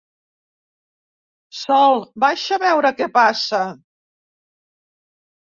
Sol, baixa a veure què passa.